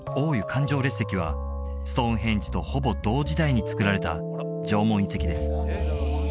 環状列石はストーンヘンジとほぼ同時代に造られた縄文遺跡です